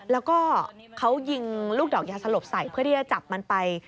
แล้วก็เขายิงลูกดอกยาสลบใส่เพื่อที่จะจับมันไป